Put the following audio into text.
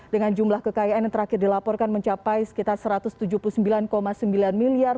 dengan jumlah kekayaan yang terakhir dilaporkan mencapai sekitar satu ratus tujuh puluh sembilan sembilan miliar